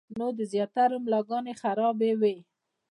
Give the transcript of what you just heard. نو د زياترو ملاګانې خرابې وي -